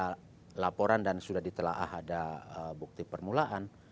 kalau pak kapus penkum ada laporan dan sudah ditelah ada bukti permulaan